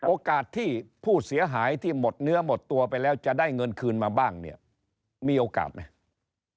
โอกาสที่ผู้เสียหายที่หมดเนื้อหมดตัวไปแล้วจะได้เงินคืนมาบ้างเนี่ยมีโอกาสไหม